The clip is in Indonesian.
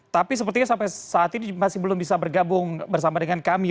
tapi sepertinya sampai saat ini masih belum bisa bergabung bersama dengan kami